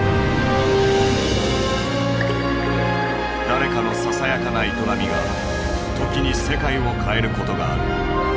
誰かのささやかな営みが時に世界を変えることがある。